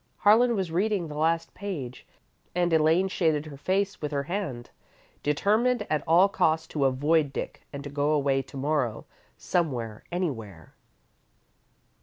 Harlan was reading the last page, and Elaine shaded her face with her hand, determined, at all costs, to avoid Dick, and to go away to morrow, somewhere, anywhere.